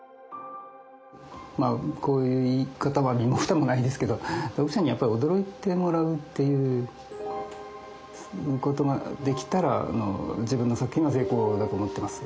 こういう言い方は身も蓋もないですけど読者にやっぱり驚いてもらうということができたら自分の作品は成功だと思ってます。